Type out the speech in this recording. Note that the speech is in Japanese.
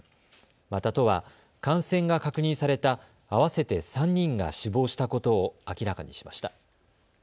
また都は感染が確認された合わせて３人が死亡したことを明らかにしました。